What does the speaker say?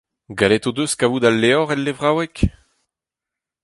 Gallet o deus kavout al levr el levraoueg ?